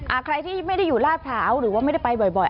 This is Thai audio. ใครที่ไม่ได้อยู่ลาดพร้าวหรือว่าไม่ได้ไปบ่อยบ่อย